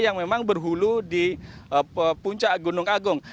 yang memang berhulu di puncak gunung agung